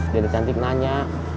dede cantik nanya